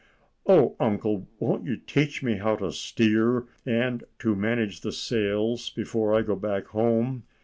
"O uncle, won't you teach me how to steer and to manage the sails before I go back home?"